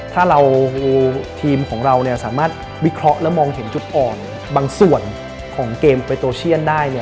ถ้าเราทีมของเราสามารถวิเคราะห์และมองเห็นจุดอ่อนบางส่วนของเกมเปโตเชียนได้เนี่ย